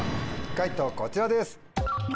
解答こちらです。